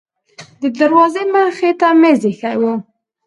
د دروازې مخې ته میز ایښی و.